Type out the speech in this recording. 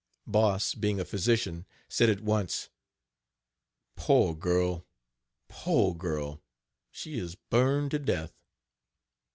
Boss, being a physician, said at once: "Poor girl, poor girl! she is burned to death."